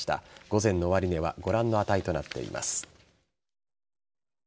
午前の終値はご覧の値となっています。